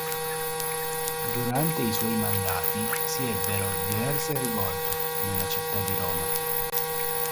Durante i suoi mandati si ebbero diverse rivolte nella città di Roma.